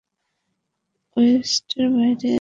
ওয়েস্টের বাইরে কোথাও।